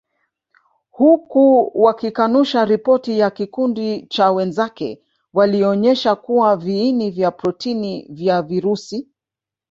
Huku wakikanusha ripoti ya kikundi cha wenzake walionyesha kuwa viini vya protini vya virusi